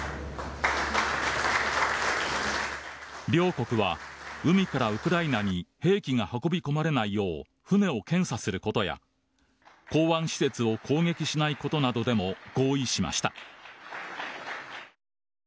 両国は海からウクライナに兵器が運び込まれないよう船を検査することや港湾施設を攻撃しないことなどでも合意しました。